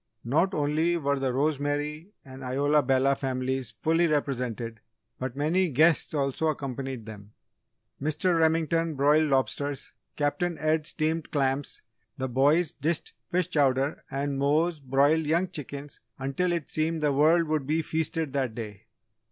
Not only were the Rosemary and Isola Bella families fully represented but many guests also accompanied them. Mr. Remington broiled lobsters, Captain Ed steamed clams, the boys dished fish chowder and Mose broiled young chickens until it seemed the world would be feasted that day.